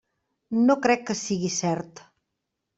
No crec que sigui cert.